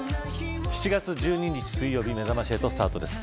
７月１２日水曜日めざまし８スタートです。